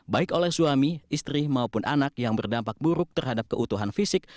baik oleh suami istri maupun anak yang berdampak buruk terhadap keutuhan fisik